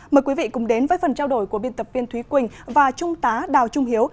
mời quý vị cùng đến với phần trao đổi của biên tập viên thúy quỳnh và trung tá đào trung hiếu